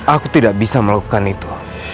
aku tidak bisa melakukan itu